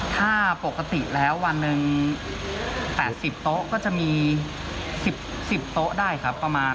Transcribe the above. ถ้าปกติแล้ววันหนึ่ง๘๐โต๊ะก็จะมี๑๐โต๊ะได้ครับประมาณ